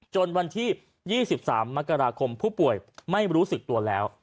วันที่๒๓มกราคมผู้ป่วยไม่รู้สึกตัวแล้ว